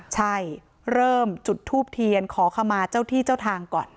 ใช่เริ่มจุดทูบเทียนขอขมาเจ้าที่เจ้าทางก่อน